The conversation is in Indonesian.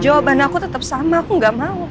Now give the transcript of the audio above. jawaban aku tetap sama aku gak mau